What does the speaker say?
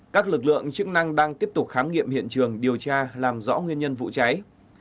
các lực lượng chức năng đang tiếp tục khám nghiệm hiện trường điều tra làm rõ nguyên nhân vụ cháy